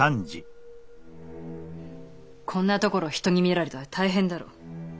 こんなところ人に見られたら大変だろう。